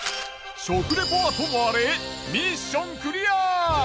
食レポはともあれミッションクリア！